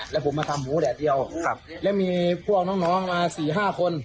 แล้วผมมาทำหมูแดดเดียวแล้วมีพวกน้องมา๔๕คน